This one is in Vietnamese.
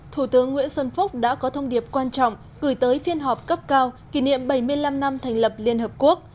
thủ tướng nguyễn xuân phúc đã có thông điệp quan trọng gửi tới phiên họp cấp cao kỷ niệm bảy mươi năm năm thành lập liên hợp quốc